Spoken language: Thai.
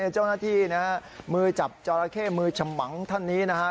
เจ้าหน้าที่นะฮะมือจับจอราเข้มือฉมังท่านนี้นะฮะ